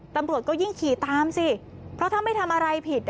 ตำรวจก็ยิ่งขี่ตามสิเพราะถ้าไม่ทำอะไรผิด